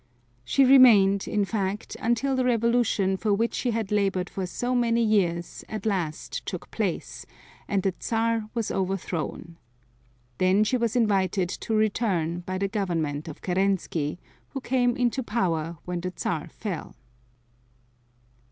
She remained, in fact, until the revolution for which she had labored for so many years at last took place, and the Czar was overthrown. Then she was invited to return by the Government of Kerensky, who came into power when the Czar fell.